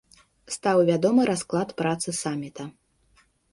Стаў вядомы расклад працы самміта.